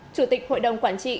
chủ tịch hội đồng quản trị